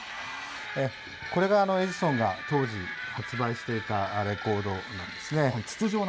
これがエジソンが当時発売していたレコードなんですね。